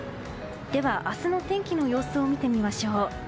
では明日の天気の様子を見てみましょう。